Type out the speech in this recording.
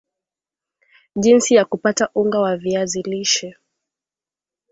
Jinsi ya kupata unga wa viazi lishe